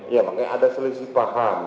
ya makanya ada selisih paham